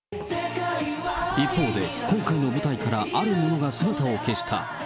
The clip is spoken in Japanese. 一方で、今回の舞台から、あるものが姿を消した。